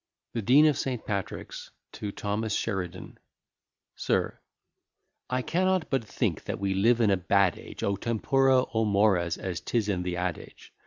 THE DEAN OF ST. PATRICK'S TO THOMAS SHERIDAN SIR, I cannot but think that we live in a bad age, O tempora, O mores! as 'tis in the adage.